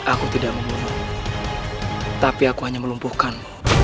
aku tidak membunuhmu tapi aku hanya melumpuhkanmu